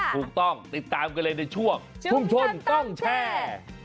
ถูกต้องติดตามกันเลยในช่วงชุมชนต้องแชร์